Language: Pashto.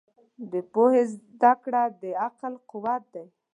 د پوهې زده کړه د عقل قوت دی.